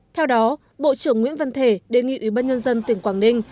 theo đó bộ trưởng nguyễn văn thể đề nghị ủy ban nhân dân tỉnh quảng ninh